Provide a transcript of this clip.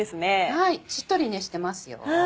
はいしっとりしてます。